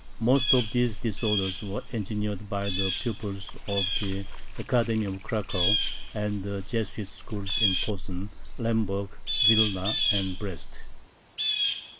Most of these disorders were engineered by the pupils of the Academy of Cracow and the Jesuit schools in Posen, Lemberg, Vilna, and Brest.